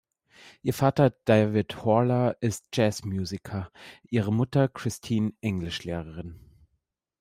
Ihr Vater David Horler ist Jazzmusiker, ihre Mutter Christine Englischlehrerin.